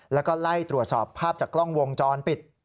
แล้วก็ไล่ตรวจสอบภาพจากกล้องวงจรปิด